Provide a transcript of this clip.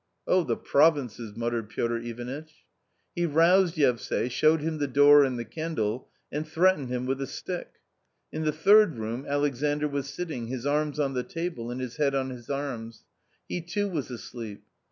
" Oh, the provinces !" muttered Piotr Ivanitch. He roused Yevsay, showed him the door and the candle, and threatened him with a stick. In the third room Alex andr was sitting, his arms on the table and his head on his arms ; he too was asleep.